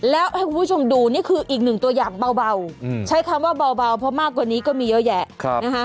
แล้วให้คุณผู้ชมดูนี่คืออีกหนึ่งตัวอย่างเบาใช้คำว่าเบาเพราะมากกว่านี้ก็มีเยอะแยะนะฮะ